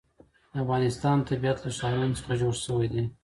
د افغانستان طبیعت له ښارونه څخه جوړ شوی دی.